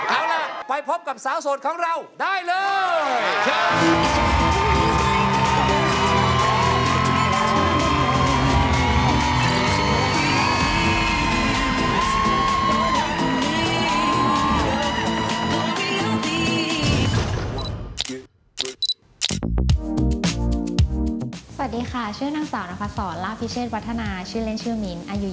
เอาล่ะไปพบกับสาวโสดของเราได้เลย